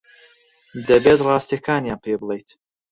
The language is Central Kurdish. دەبێت ڕاستییەکانیان پێ بڵێیت.